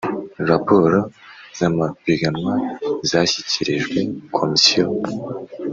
Raporo z’amapiganwa zashyikirijwe Komisiyo